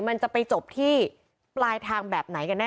มันจะไปจบที่ปลายทางแบบไหนกันแน